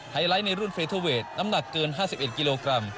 ไลท์ในรุ่นเฟเทอร์เวทน้ำหนักเกิน๕๑กิโลกรัม